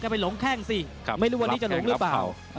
ไปหลงแข้งสิไม่รู้วันนี้จะหลงหรือเปล่า